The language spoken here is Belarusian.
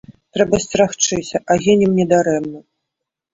Трэба сцерагчыся, а гінем не дарэмна.